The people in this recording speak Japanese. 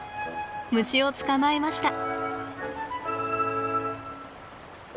虫を捕まえました。